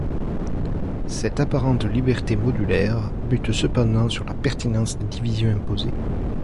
Cette apparente liberté modulaire bute cependant sur la pertinence des divisions imposées.